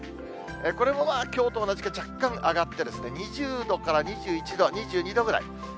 これもまあ、きょうと同じか若干上がって、２０度から２１度、２２度ぐらい。